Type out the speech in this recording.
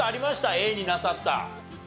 Ａになさった。